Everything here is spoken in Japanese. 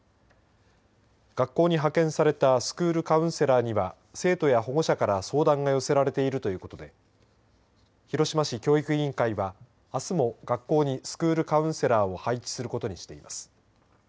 学校に派遣されたスクールカウンセラーには生徒や保護者から相談が寄せられているということで広島市教育委員会はあすも学校にスクールカウンセラーを配置することにしています。